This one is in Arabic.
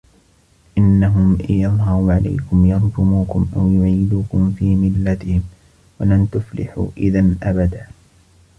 إِنَّهُمْ إِنْ يَظْهَرُوا عَلَيْكُمْ يَرْجُمُوكُمْ أَوْ يُعِيدُوكُمْ فِي مِلَّتِهِمْ وَلَنْ تُفْلِحُوا إِذًا أَبَدًا